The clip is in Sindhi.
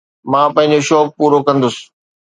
مان پنهنجو شوق پورو ڪندس